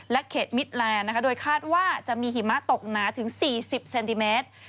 เขตมิดแลนด์โดยคาดว่าจะมีหิมะตกหนาถึง๔๐เซนติเมตร